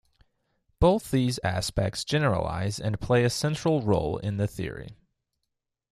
Both those aspects generalize, and play a central role in the theory.